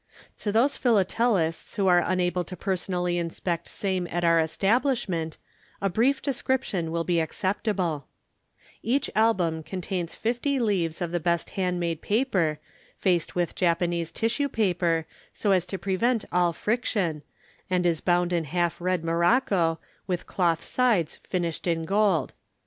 To those Philatelists who are unable to personally inspect same at our Establishment, a brief description will be acceptable: Each Album contains 50 leaves of the best hand made paper, faced with Japanese tissue paper, so as to prevent all friction, and is bound in half red morocco, with cloth sides finished in gold.